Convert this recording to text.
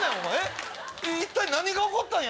一体何が起こったんや？